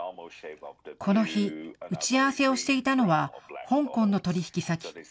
この日、打ち合わせをしていたのは、香港の取り引き先。